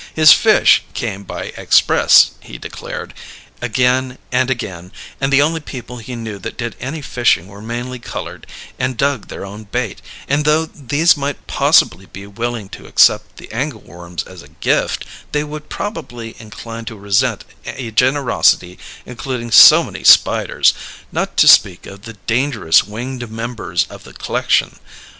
His fish came by express, he declared, again and again: and the only people he knew that did any fishing were mainly coloured, and dug their own bait; and though these might possibly be willing to accept the angle worms as a gift, they would probably incline to resent a generosity including so many spiders, not to speak of the dangerous winged members of the c'lection.